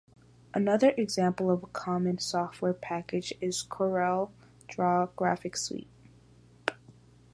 Another example of a common software package is CorelDraw Graphics Suite.